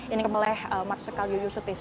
ini kemulai marsikal yuyusutis